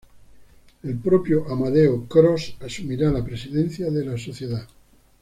El propio Amadeo Cros asumiría la presidencia de la sociedad.